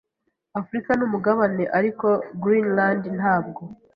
Afurika ni umugabane, ariko Greenland ntabwo.